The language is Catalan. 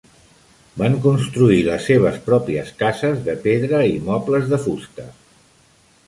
Van construir les seves pròpies cases de pedra i mobles de fusta.